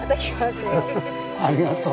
フフありがとう。